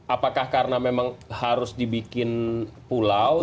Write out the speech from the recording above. apakah karena memang harus dibikin pulau